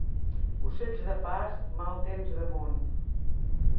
Ocells de pas, mal temps damunt.